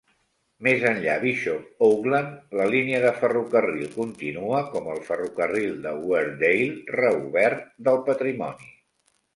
Més enllà Bishop Auckland, la línia de ferrocarril continua com el Ferrocarril de Weardale reobert del patrimoni.